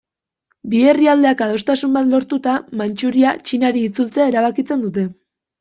Bi herrialdeak, adostasun bat lortuta, Mantxuria Txinari itzultzea erabakitzen dute.